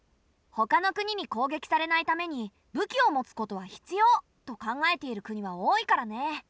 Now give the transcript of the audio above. ほかの国にこうげきされないために武器を持つことは必要と考えている国は多いからね。